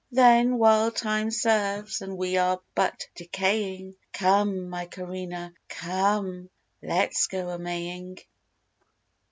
Then while time serves, and we are but decaying, Come, my Corinna! come, let's go a Maying.